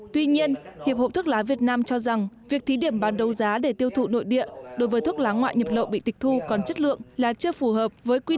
tuy nhiên hiệp hội thuốc lá việt nam cho rằng việc thí điểm bán đấu giá để tiêu thụ nội địa đối với thuốc lá ngoại nhập lậu bị tịch thu còn chất lượng là chưa phù hợp với quy định